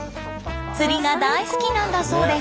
釣りが大好きなんだそうです。